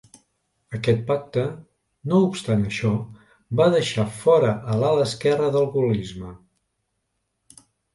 Aquest pacte, no obstant això, va deixar fora a l'ala esquerra del gaullisme.